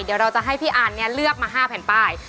เดี๋ยวเราจะให้พี่อันเนี่ยเลือกมา๕แผ่นป้าย